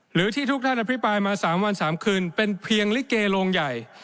หรือที่ทุกท่านอภิปรายมา๓วัน๓คืนเป็นเพียงลิเกโรงใหญ่